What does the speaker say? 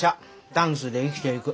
ダンスで生きていく。